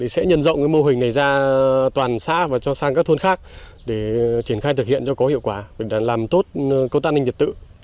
sẽ nhận rộng mô hình này ra toàn xã và sang các thôn khác để triển khai thực hiện cho có hiệu quả làm tốt công tác ninh dật tự